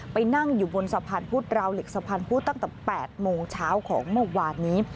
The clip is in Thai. ไปนั่งอยู่บนสะพานพุทธราวเหล็กสะพานพุทธตั้งแต่๘โมงเช้าของเมื่อวานนี้